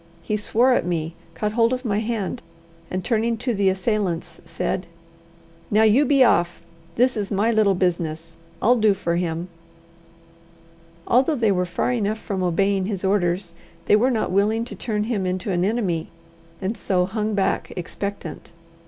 He swore at me, caught hold of my hand, and turning to the assailants said: "Now, you be off! This is my little business. I'll do for him!" Although they were far enough from obeying his orders, they were not willing to turn him into an enemy, and so hung back expectant.